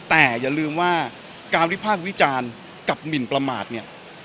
แต่อย่าลืมว่าการวิพากษ์วิจารณ์กับหมินประมาทเนี่ย